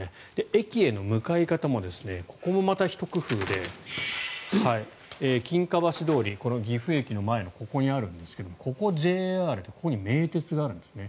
駅への向かい方もここもまたひと工夫で金華橋通り、岐阜駅の前のここにあるんですがここがＪＲでここに名鉄があるんですね。